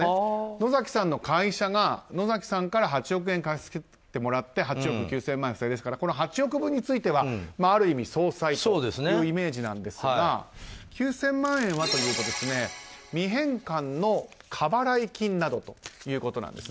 野崎さんの会社が野崎さんから８億円貸し付けてもらって８億９０００万円ですから８億円分については、ある意味相殺というイメージなんですが９０００万円はというと未返還の過払い金などということなんです。